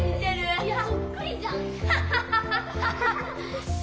いやそっくりじゃん！